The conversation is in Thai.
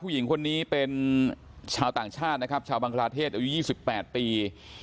ผู้หญิงคนนี้เป็นชาวต่างชาตินะครับชาวบังคลาเทศอายุ๒๘ปี